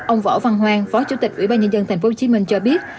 ông võ văn hoang phó chủ tịch ủy ban nhân dân tp hcm cho biết